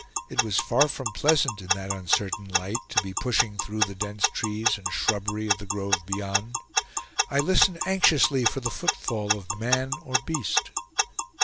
It was far from pleasant, in that uncertain light, to be pushing through the dense trees and shrubbery of the grove beyond. I listened anxiously for the footfall of man or beast.